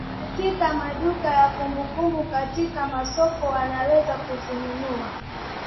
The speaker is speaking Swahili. katika maduka ya kumbukumbu katika masoko unaweza kuzinunua